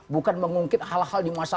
bukan mengungkit hal hal di masa